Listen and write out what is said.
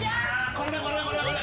これとこれとこれとこれ。